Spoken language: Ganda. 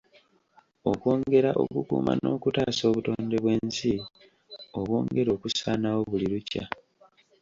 Okwongera okukuuma n’okutaasa obutonde bw’ensi obwongera okusaanawo buli lukya.